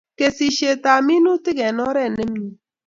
Kesishet ab minutik eng oret nimie